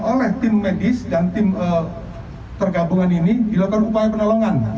oleh tim medis dan tim tergabungan ini dilakukan upaya penolongan